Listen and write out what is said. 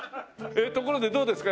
ところでどうですか？